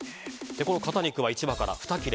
肩肉は１羽から２切れ